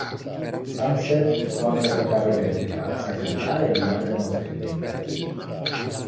Sunset suona la chitarra elettrica, sa cantare e guidare la motocicletta.